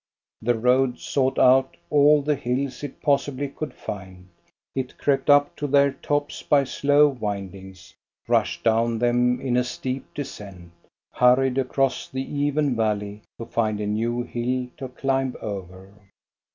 The road sought out all the hills it possibly could find; it crept up to their tops by slow windings, rushed down them in a steep descent, hurried across the even valley to find a new hill to climb over.